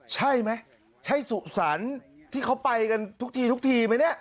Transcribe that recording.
ใช่ไหมใช่สุสรรค์ที่เขาไปกันทุกทีทุกทีไหมเนี่ย